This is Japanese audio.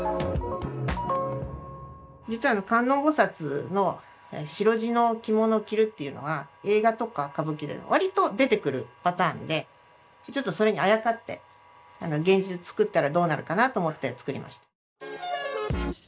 実は観音菩薩の白地の着物を着るっていうのは映画とか歌舞伎でわりと出てくるパターンでちょっとそれにあやかって現実作ったらどうなるかなと思って作りました。